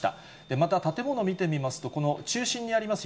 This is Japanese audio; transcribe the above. また建物見てみますと、この中心にあります